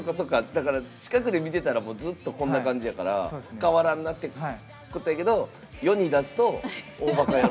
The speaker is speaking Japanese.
近くで見てたらずっとこんな感じやから変わらんなってことやけど世に出すと、大ばか野郎。